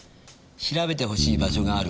「調べてほしい場所がある。